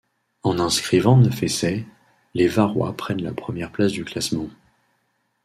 En inscrivant neuf essais, les varois prennent la première place du classement.